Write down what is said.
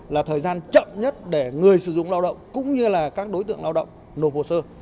là thời gian chậm nhất để người sử dụng lao động cũng như là các đối tượng lao động nộp hồ sơ